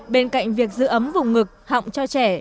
bên cạnh việc giữ ấm vùng ngực họng cho trẻ